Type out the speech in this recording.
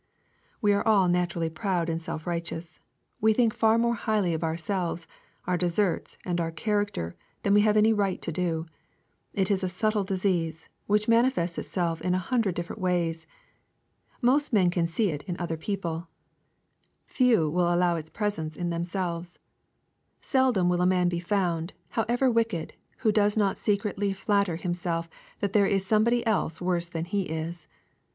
We are all naturally proud and self righteous. We think far more highly of ourselves, our deserts, and our character, than we have any right to do. It is a subtle disease, which manifests itself in a hundred different ways. Most men can see it in other people. Few will 228 EXPOSITORY THOUGHTS. allow its presence in themselves. Seldom will a man be found, however wicked, who does not secretly flatter himself that there is somebody else worse than he is.